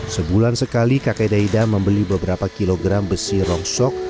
sebulan sekali kakek daida membeli beberapa kilogram besi rongsok